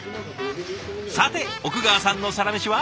さて奥川さんのサラメシは？